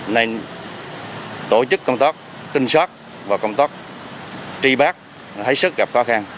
nên tổ chức công tác tinh sát và công tác truy bắt thấy sức gặp khó khăn